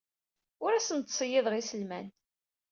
Ur asen-d-ttṣeyyideɣ iselman.